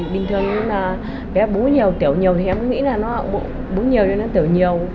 bình thường bé bú nhiều tiểu nhiều em nghĩ là bú nhiều cho nó tiểu nhiều